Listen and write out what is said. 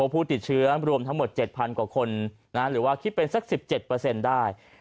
ผู้ติดเชื้อรวมทั้งหมด๗๐๐กว่าคนหรือว่าคิดเป็นสัก๑๗ได้